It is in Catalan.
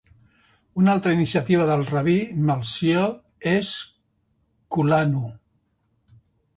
Una altra iniciativa del Rabí Melchior és Kulanu.